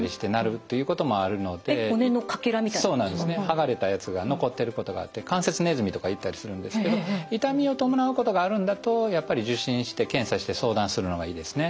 剥がれたやつが残ってることがあって関節ネズミとか言ったりするんですけど痛みを伴うことがあるんだとやっぱり受診して検査して相談するのがいいですね。